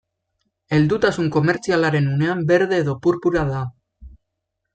Heldutasun komertzialaren unean berde edo purpura da.